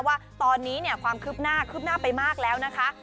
ว่าตอนนี้เนี่ยความคืบหน้าคืบหน้าไปมากแล้วนะคะ